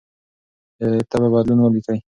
د تبه بدلون ولیکئ.